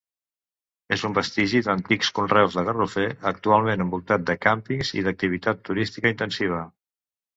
És un vestigi d'antics conreus de garrofer, actualment envoltat de càmpings i d'activitat turística intensiva.